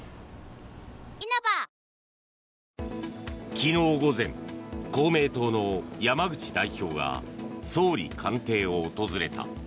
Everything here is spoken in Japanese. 昨日午前、公明党の山口代表が総理官邸を訪れた。